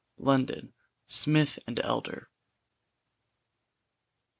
London; Smith and Elder.